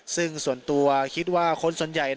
ซึ่งส่วนตัวคิดว่าคนส่วนใหญ่